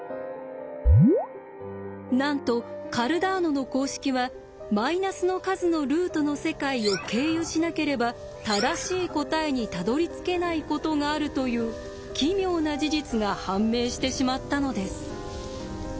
なんとカルダーノの公式はマイナスの数のルートの世界を経由しなければ正しい答えにたどりつけないことがあるという奇妙な事実が判明してしまったのです。